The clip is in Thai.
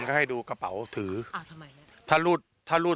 คุยกายดูกะเป๋าถือถ้าลูกถ้าลูก